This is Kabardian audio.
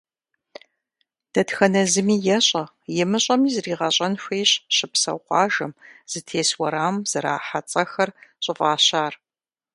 Дэтхэнэ зыми ещӏэ, имыщӏэми зригъэщӏэн хуейщ щыпсэу къуажэм, зытес уэрамым зэрахьэ цӏэхэр щӏыфӏащар.